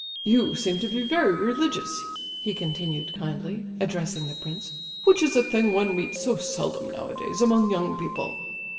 "You seem to be very religious," he continued, kindly, addressing the prince, "which is a thing one meets so seldom nowadays among young people."